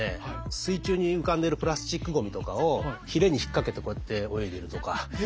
水中に浮かんでるプラスチックごみとかをヒレに引っ掛けてこうやって泳いでいるとか。